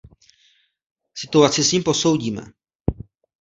Situaci s ním posoudíme.